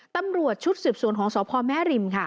ตำรวจชุดสืบสวนของสพแม่ริมค่ะ